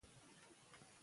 نظم باید په ښوونځي کې وي.